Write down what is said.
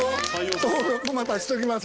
登録またしときます。